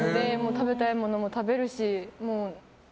食べたいものも食べるし。